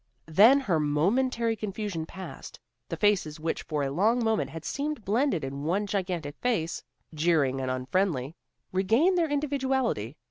Then her momentary confusion passed. The faces which for a long moment had seemed blended in one gigantic face, jeering and unfriendly, regained their individuality.